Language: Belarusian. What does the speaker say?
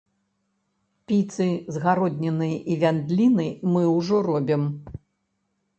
Піцы з гароднінай і вяндлінай мы ўжо робім.